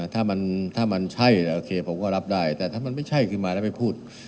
ถ้ามันใช่โอเคผมก็รับได้แต่ถ้ามันไม่ใช่ขึ้นมาแล้วไม่พูด